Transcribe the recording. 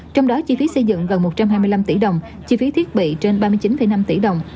trong đó chi phí xây dựng gần một trăm hai mươi năm tỷ đồng chi phí thiết bị trên ba mươi chín năm tỷ đồng